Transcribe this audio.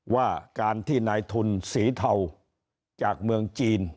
ว่าการที่นายทุนสีเทาจากเมืองจีน